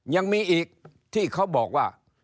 ยังมีอีกที่เขาบอกว่า